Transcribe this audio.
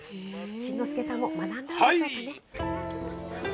信之丞さんも学んだんでしょうかね。